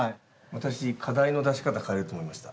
私課題の出し方変えると思いました。